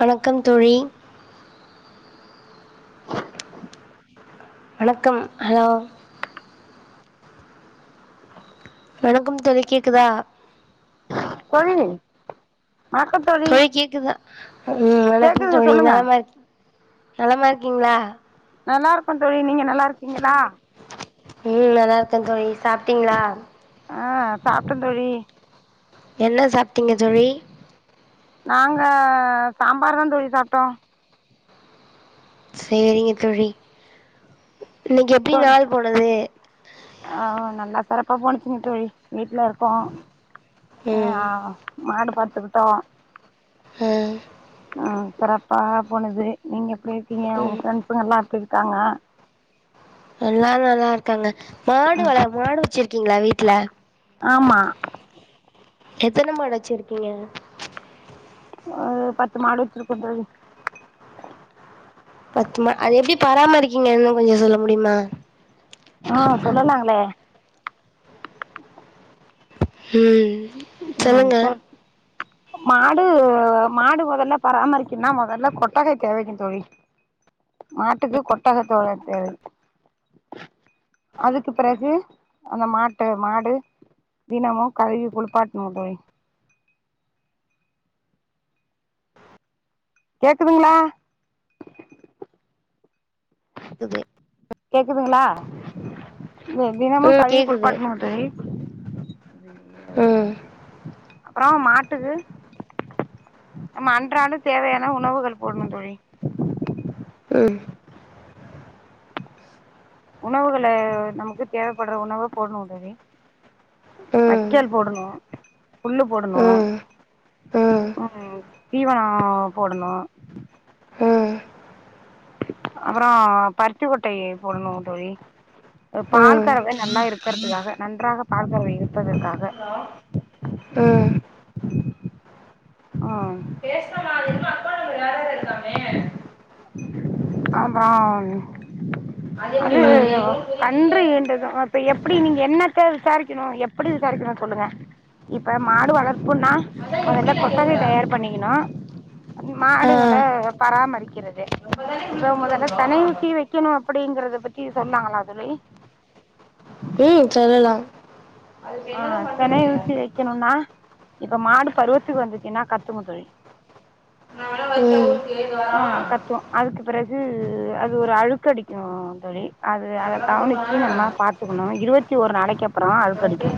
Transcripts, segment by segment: வணக்கம் தோழி வணக்கம் ஹலோ வணக்கம் தோழி கேக்குதா தோழி தோழி கேக்குதா ம் வணக்கம் கேக்குதுங்க தோழி சொல்லுங்க நலமா இருக் நலமா இருக்கீங்களா நல்லா இருக்கோம் தோழி நீங்க நல்லா இருக்கீங்ளா ம் நல்லா இருக்கேன் தோழி சாப்டீங்களா ஆ சாப்பிட்டே தோழி என்ன சாப் டிங்க தோழி நாங்க சாம்பார் தான் தோழி சாப்டோ சேரிங்க தோழி இன்னைக்கு எப்டி தோ நாள் போனது ஆ நல்லா சிறப்பா போச்சுங்க தோழி வீட்டுல இருக்கோ ஏ ம் ஆ மா பாத்துக்குட்டோ ம் ம் சிறப்பா போனது நீங்க எப்டி இருக்கீங்க உங்க ம் பிரெண்ட்ஸ்கெலாம் எப்டி இருக்காங்க எல்லாரு நல்லா இருக்காங்க மாடு வள மாடு வச்சிருக இருக்கீங்களா வீட்டு்ல ஆமா எத்தனை மாடு வச்சு இருக்கீங்க அ பத்து மாடு வச்சிருக்கோ தோழி இங்க இன்னும் கொஞ்ச சொல்லு ஆ சொல்லலாங்களே ம் ம் சொல்லுங்க சொல் மாடு மாடு முதல்ல பராமரிக்கன்னா மொதல்ல கொட்டகை தேவைங்க தோழி மாட்டுக்கு கொட்டகை தேவை அதுக்கு பிறகு அந்த மாட்ட மாடு தினமும் கழுவி குளி்பாட் ம் தோழி கேக்குதுங்களா கேக்குதுங்களா தினமும் ம் கழுவி கேக்குது குளிப்பாட்டனும் தோழி ம் அப்புற மாட்டுக்கு நம்ம அன்றாடு தேவையான உணவுகள் போடணு தோழி ம் உணவுகளே நமக்கு தேவைபடுற உணவ போடணு தோழி ம் ம் வைக்கல் போடணு புல்லு போடணு ம் ம் ஹூம் தீவனம் ஆ போடணு அப்புற பருத்திகொட்டையை போடணு தோழி பால் ம் கறவை நல்லா இருக்கறதுகாக நன்றாக பால் கறவை இருப்பதற்காக ம் ம் அப்றோ அது கன்று ஈண்றது அப்ப எப்படி நீங்க என்னத விசாரிக்கணு எப்படி விசாரிக்கணு சொல்லுங்க இப்ப மாடு வளர்ப்புன்னா அது என்ன கொட்டகை தயார் பண்ணிக்கண்ணு மாடு ஆ ம் பராமரிக்கிறது இப்ப முதல்ல செனை ஊசி வைக்கணு அப்புடிங்கறத பத்தி சொன்னாங்களா தோழி ம் சொல்லலா ஆ செனை ஊசி வைக்கணுனா இப்ப மாடு பருவத்துக்கு வந்துச்சுன்னா கத்துமது கறா அதுக்கு பிறகு அது ஒரு அழுக்கு அடிக்கு தோழி அது அத கவனிச்சு நம்ம பாத்துக்குணு இருவத்தி ஒரு நாளைக்கு அப்பறோ அழுக்கு அடிக்கு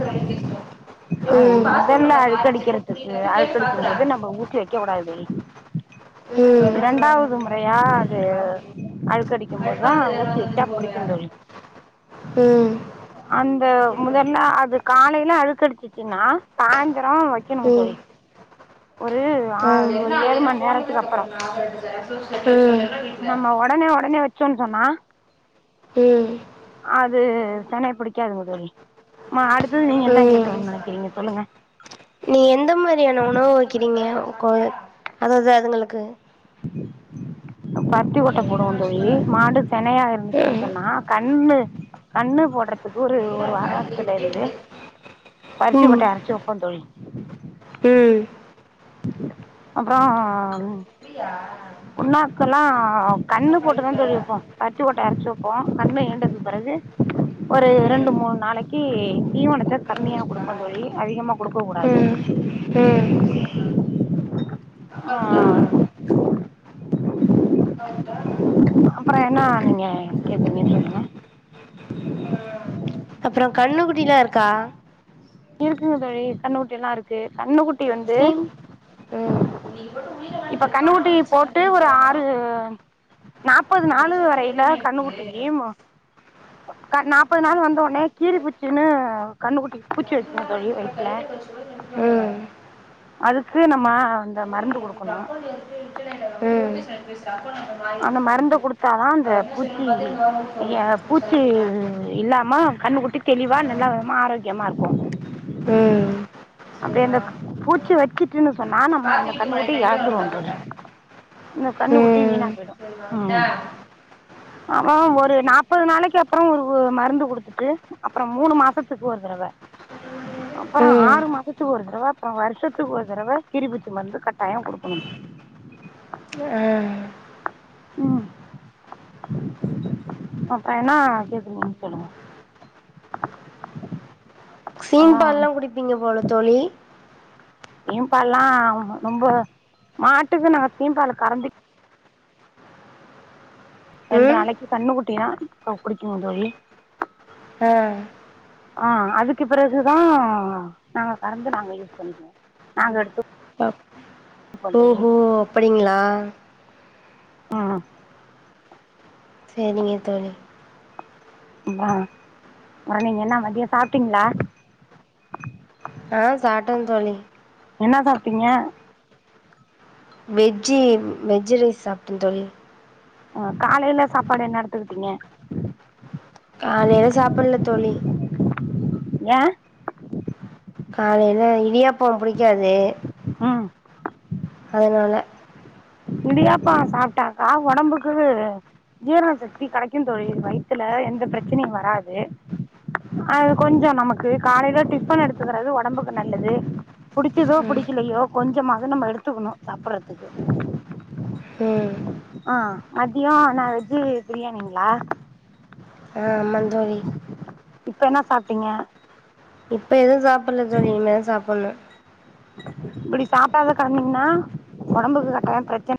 ஆ ம் முதல்ல அழுக்கு அடிக்கிறதுக்கு அழுக்கு அடிக்கு போது நம்ம ஊசி வைக்க கூடாது தோழி ம் ரெண்டாவது முறையா அது அழுக்குஅடிக்கு போதுதா ஊசி வச்சா புடிக்கு தோழி ம் அந் த முதல்ல அது காலையிலா அழுக்கடிச்சிச்சின்னா சாய்ந் தரோ வைக்கணுங்க ம் தோழி ஒரு ஆ ஒரு ஏழு மண்நேரத்துக்கு அப்பறோ ம் சோனு சென்னா அது செனை புடிக்காதுங்க தோழி மா அடுத்தது நீங்க என்ன ம் கேக்கனுன்னு நெனைக்கிறீங்க சொல்லுங்க நீங்க எந்த மாரியான உணவு வைக்கிறீங்க கோ அதாது அதுங்களுக்கு பருத்திக்கொட்ட போடுவோ தோழி, மாடு செனையா இருந்துச்சுன்னு சொன்னா கண்ணு கண்ணு போட்றதுக்கு ஒரு ஒ ரு வாரத்துலேந்து ம் ம் பருத்திகொட்டய அரச்சு வப் வப்போ தோழி ம் அப்புற புண்ணாக்கெல்லா கண்ணு போட்டு தான் தோழி வப்போ பருத்தி கொட்டே அரைச்சு வப்போ கன்ணு ஈண்டது பிறகு ஒரு ரெண்டு மூணு நாளைக்கி தீவனத்த கம்மியா கொடுப்போ தோழி அதிகமா கொடுக்க கூடாது ம் ம் ஆ அப்புற என்னா நீங்க கேக்குறீங்க சொல்லுங்க அப்புறோ கண்ணுக்குட்டிலா இருக்கா இருக்குங்க தோழி கண்ணுகுட்டி எல்லா இருக்கு கண்ணுகுட் குட்டி வந்து சீம் ம் இப்ப கண்ணுகுட்டி போட் டு ஒரு ஆறு நாப்பது நாளு வரையிலே கண்ணு குட்டிக்கி நாப்பது நாள் வந்த உடனே கீறி பூச்சின்னு கண்ணு குட்டி பூச்சி வச்சுருங்க தோழி வயித்துலே ம் அதுக்கு நம்ம அந்த மருந்து குடுக்கணு அந்த மருந்த குடுத்தாதா அந்த பூச்சி பூச்சி இல்லாம கண்ணு குட்டி தெளிவா நல்ல விதமா ஆரோக் யமா இருக்கு ம் அப்படி அந்த பூச்சி வெச்சிட்டுன்னு சொன்னா நம்ம அந் அந்த கண்ணு குட்டிய இழந்துருவோந் தோழி கண்ணு குட்டி வீணா ம் போயிடும் ம் ஒரு நாப்பது நாளைக்கு அப்புற ஒரு மருந்து குடுத்துட்டு அப்புற மூணு மாசத்துக்கு ஒரு தடவ அப்புற ம் ஆறு மாசத்துக்கு ஒரு தடவ அப்புற வருஷத்துக்கு ஒரு தடவ கீரிபூச்சி மருந்து கட்டாய குடுக்கணு ஆ உம் அப்றொ என்ன கேக்கணு சொல்லுங்க சீம் பாலெல்லா குடிப்பீங்க போல தோழி சீம்பால்லா ரொம்பொ மாட்டுக்கு நாம சீம்பால் கரந் ரெண்டு ம் நாளைக்கு கண்ணு குட்டிதா குடிக்கணு தோழி ஆ ஆ அதுக்கு பிறகுதா நாங்க கறந்து நாங்க யூஸ் பண்ணிக்குவோ நாங்க எடுத்து குடிப்போம் தோழி ஓஹோ அப்டிங்களா ம்ம் சேரிங்க தோழி ஆ நீங்க என்ன மதியம் சாப்பிட்டீங்களா ஆ சாப்டேன் தோழி என்னா சாப்பிட்டீங்க வெஜ்ஜு வெஜ் ரைஸ் சாப்டே தோழி அஹ் காலைலே சாப்பாடு என்ன எடுத்துக்கிட்டீங்க காலையில சாப்பிட்ல தோழி ஆ காலைல இடியாப்போ புடிக்காது ம் அதனால இடியாப்பொ சாப்பிட்டாக்கா ஒடம்புக்கு ஜீரண சக்தி கெடைக்குந் தோழி வயித்துல எந்த பிரச்சனையு வராது அது கொஞ்சொ நமக்கு காலைல டிஃபன் எடுத்துக்கிறது ஒடம்புக்கு நல்லது புடிக்கிதோ புடிக்கலையோ கொஞ்சமாது நம்ம எடுத்துக்கணு சாப்படுறதுக்கு ம் ஆ மதியம் நா வெஜ்ஜு பிரியாணிங்களா ஆமாந் தோழி இப்ப என்ன சாப்பிட்டீங்க இப்ப எதுவும் சா சாப்பிடல தோழி இனிமேதா சாப்பிடன்னு இப்படி சாப்டாத கடந்தீங்ன்னா ஒடம்புக்கு ஏதா பிரச்ச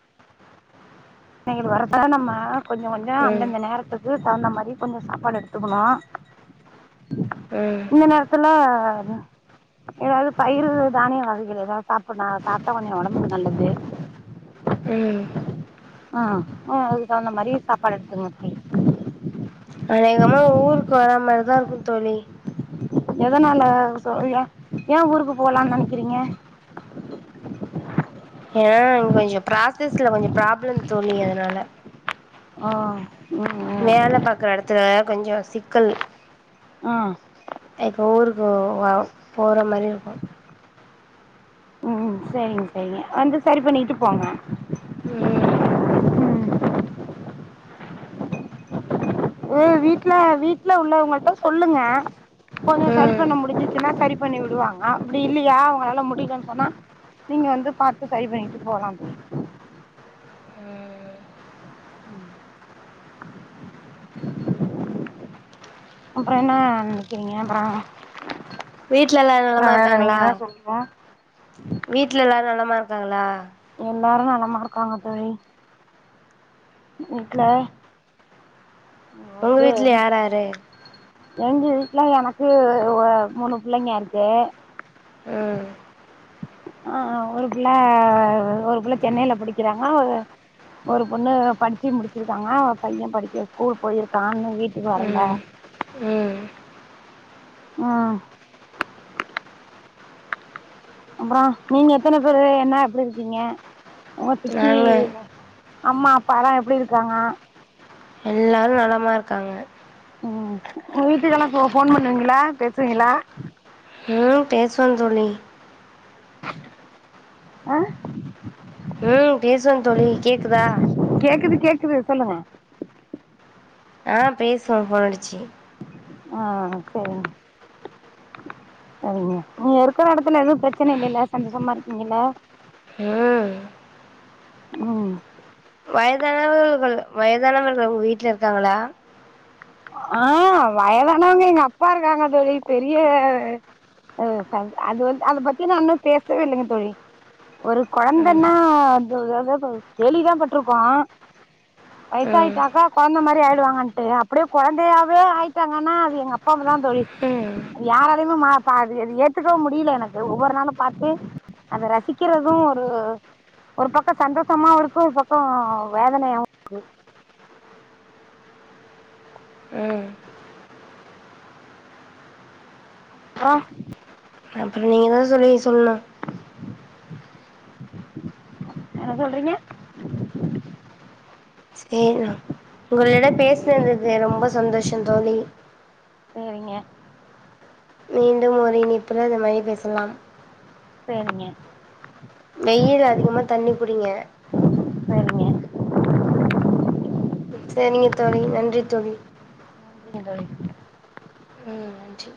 னைகள் வரத நம்ம கொஞ்ச கொஞ்சொ ம் அந்தந்த நேரத்துக்கு தகுந்த மாரி கொஞ்சொ சாப்பாடு எடுத்துக்கணு ம் இந்த நேரத்துல ஏதாவது பயிரு தானிய வகைகள் ஏதாவது சாப்பட்னு சாப்பிட்டா கொஞ்சொ ஒடம்புக்கு நல்லது ம் ம் ம் அதுக்கு தகுந்த மாரி சாப்பாடு எடுத்துங்க தோழி அநேகமா ஊருக்கு வரா மாரிதா இருக்கு தோழி எதனால தோழி ஏ ஊருக்கு போலானு நெனைக்கிறீங்க ஏனா கொஞ்சொ ப்ராசஸ்ல கொஞ்சொ ப்ராப்ளம் தோழி அதனால ஆஹ் வேல பாக்குற எடத்துல கொஞ்சொ சிக்கல் ம் இப்போ ஊருக்கு போற மாரி இருக்கு உம் சேரிங்க சேரிங்க வந்து சரி பண்ணிட்டு போங்க ம் ம் ஓ வீட்ல வீட்ல உள்ளவங்கள்ட்ட சொல்லுங்க கொஞ்சம் சரி ம் பண்ண முடிஞ்சுச்சுன்னா சரி பண்ணி விடுவாங்க அப்டி இல்லையா அவுங்களால முடியலன்னு சொன்னா நீங்க வந்து பாத்து சரி பண்ணிட்டு போலாம் தோழி ம் ம் அப்புறம் என்ன நெனைக்கிறீங்க அப்றம் வீட்ல எல்லாரு நலமா இருக்காங்களா வீட்ல எல்லாரு நலமா இருக்காங்களா எல்லாரு நலமா இருக்காங்க தோழி வீட்ல உங்க இது வீட்ல யாராரு எங்க வீட்ல எனக்கு ஒ மூணு பிள்ளைங்க இருக்கு ம் ஆஹ் ஒரு பிள்ள ஒரு பிள்ள சென்னைல படிக்கிறாங்க ஒரு பொண்ணு படிச்சு முடிச்சிருக்காங்க ஒரு பையன் படிக்க ஸ்கூல் போயிருக்கா இன்னு வீட்டுக்கு வரல ம் ம் உம் அப்புறோ நீங்க எத்தன பேரு என்ன எப்டி இருக்கீங்க ஆன் சுத்தி நாங்க அம்மா அப்பாலா எப்டி இருக்காங்க எல்லாரு நலமா இருக்காங்க உம் உங்க வீட்டுக்கெல்லா ஃபோ ஃபோன் பண்ணுவீங்களா பேசுவீங்களா ம் பேசுவே தோழி ஆஹ் ம் பேசுவோம் தோழி கேக்குதா கேக்குது கேக்குது சொல்லுங்க ஆஹ் பேசுவோம் ஃபோனடிச்சு ஆஹ் சேரிங்க நீங்க இருக்குற எடத்துல எதும் பிரச்சன இல்லைல சந்தோசமா இருக்கீங்கல்ல ம் உம் வயதானவர்கள் வயதானவர்கள் உங்க வீட்ல இருக்காங்களா ஆஹ் வயதானவங்க எங்க அப்பா இருக்காங்க தோழி பெரிய ஒ சங் அது வந்து அத பத்தி நா இன்னு பேசவே இல்லைங்க தோழி ஒரு ம் கொழந்தன்னா அதாவது கேள்விதா பட்ருக்கோ ம் வயசாயிட்டாக்கா கொழந்த மாரி ஆயிடுவாங்கன்ட்டு அப்டியே கொழந்தையாவே ஆயிட்டாங்கன்னா அது எங்க அப்பாம்மாதா தோழி ம் அது யாராலையுமே மா பா அது அது ஏத்துக்கவே முடியல எனக்கு ஒவ்வொரு நாளும் பாத்து அதை ரசிக்கிறதும் ஒரு ஒரு பக்கம் சந்தோஷமாவு இருக்கு ஒரு பக்கம் வேதனையாவு இருக்கு ம் ஆஹ் அப்புறம் நீங்க தா தோழி சொல்ணு என்ன சொல்றீங்க சேரி நா உங்களிடம் பேசுனதுக்கு ரொம்ப சந்தோஷம் தோழி சேரிங்க மீண்டும் ஒரு இணைப்பு புல இந்த மாரி பேசலாம் சேரிங்க வெயில் அதிகமா தண்ணி குடிங்க சேரிங்க செரிங்க தோழி நன்றி தோழி ங்க தோழி ம் நன்றி